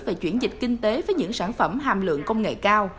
về chuyển dịch kinh tế với những sản phẩm hàm lượng công nghệ cao